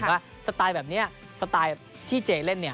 แต่ว่าสไตล์แบบนี้สไตล์ที่เจเล่นเนี่ย